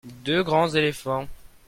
deux grands éléphants.